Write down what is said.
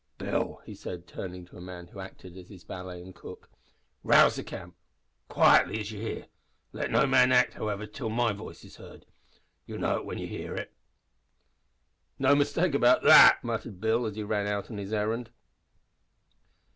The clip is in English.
"Bill," he said, turning to a man who acted as his valet and cook, "rouse the camp. Quietly as you hear. Let no man act however, till my voice is heard. You'll know it when ye hear it!" "No mistake about that!" muttered Bill, as he ran out on his errand.